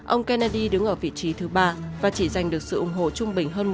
ông kennedy đứng ở vị trí thứ ba và chỉ giành được sự ủng hộ trung bình hơn